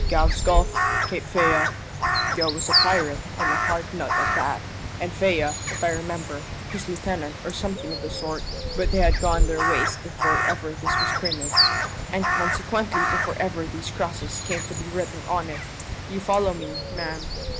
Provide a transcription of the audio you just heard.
'Gow's Gulf,' 'Cape Fea' Gow was a pirate and a hard nut at that; and Fea, if I remember, his lieutenant or something of the sort; but they had gone their ways before ever this was printed, and consequently before ever these crosses came to be written on it. You follow me, ma'am?"